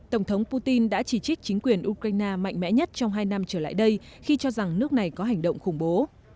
tổng thống putin đã chỉ trích chính quyền ukraine mạnh mẽ nhất trong hai năm trở lại đây khi cho rằng nước này có hành động khủng bố